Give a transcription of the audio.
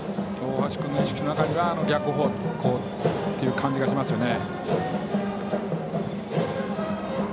大橋君の意識の中では逆方向って感じがしますよね。